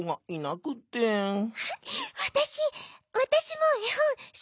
わたしわたしもえほんすき！